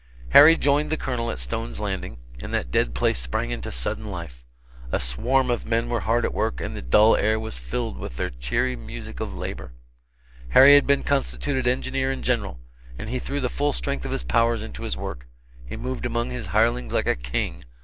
Harry joined the Colonel at Stone's Landing, and that dead place sprang into sudden life. A swarm of men were hard at work, and the dull air was filled with the cheery music of labor. Harry had been constituted engineer in general, and he threw the full strength of his powers into his work. He moved among his hirelings like a king.